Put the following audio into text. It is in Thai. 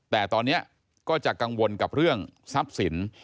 แต่ตอนนี้ก็จะกังวลกับเรื่องทรัพย์สิน